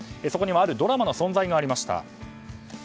そこにはあるドラマの存在がありました。